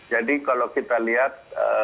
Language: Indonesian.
jadi kalau kita lihat